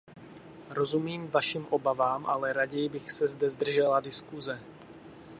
Rozumím vašim obavám, ale raději bych se zde zdržela diskuse.